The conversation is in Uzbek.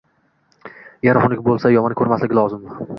Eri xunuk bo‘lsa, yomon ko‘rmasligi lozim.